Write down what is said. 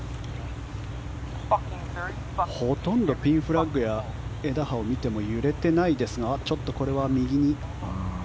ほとんどピンフラッグや枝葉を見ても揺れてないですがちょっとこれは右に。